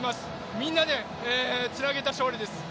みんなでつなげた勝利です。